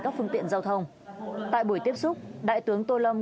các phương tiện giao thông tại buổi tiếp xúc đại tướng tô lâm